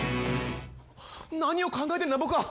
何を考えてんだ僕は。